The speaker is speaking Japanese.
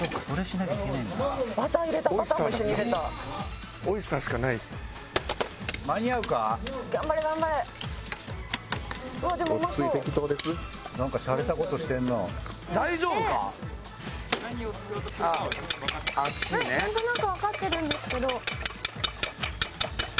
なんとなくわかってるんですけど。